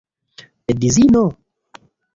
Edzino?